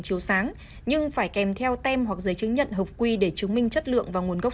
chiếu sáng nhưng phải kèm theo tem hoặc giấy chứng nhận hợp quy để chứng minh chất lượng và nguồn gốc